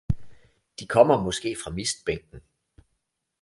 De kommer måske fra mistbænken!